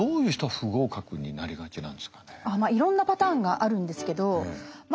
逆にいろんなパターンがあるんですけどま